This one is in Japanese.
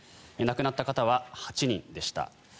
亡くなった方は８人でした。